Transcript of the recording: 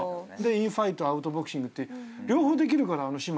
インファイトアウトボクシングって両方できるからあの姉妹は。